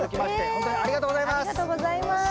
ほんとにありがとうございます！